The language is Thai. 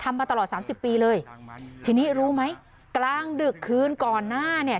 มาตลอดสามสิบปีเลยทีนี้รู้ไหมกลางดึกคืนก่อนหน้าเนี่ย